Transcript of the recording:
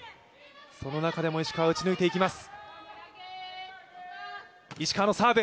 その中でも石川、打ち抜いていきます。